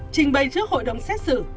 trình bày trước hội đồng xét xử